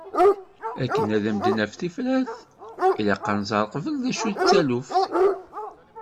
Akken ad am-d-naf tifrat ilaq ad nẓer qbel d acu i d taluft.